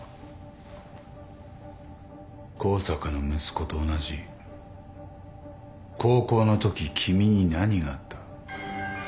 向坂の息子と同じ高校のとき君に何があった？